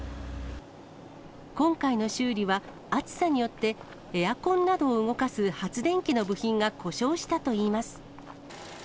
今回の修理は、暑さによってエアコンなどを動かす発電機の部品が故障したといいます。